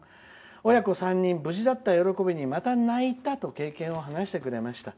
親子３人無事だった喜びにまた泣いたと経験を話してくれました。